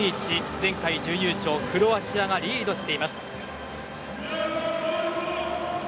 前回準優勝クロアチアがリードしています。